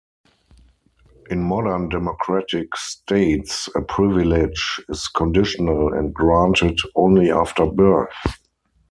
In modern democratic states, a "privilege" is conditional and granted only after birth.